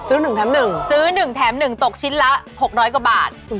ซื้อหนึ่งแถมหนึ่งซื้อหนึ่งแถมหนึ่งตกชิ้นละ๖๐๐กว่าบาท